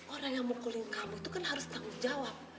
orang yang mukulin kamu itu kan harus tanggung jawab